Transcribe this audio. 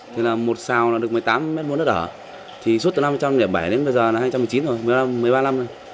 thì là một xào là được một mươi tám m bốn đất ở thì suốt từ năm hai nghìn bảy đến bây giờ là hai trăm một mươi chín rồi một mươi ba năm rồi